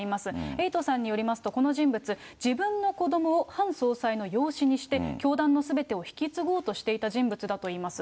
エイトさんによりますと、この人物、自分の子どもをハン総裁の養子にして、教団のすべてを引き継ごうとしていた人物だといいます。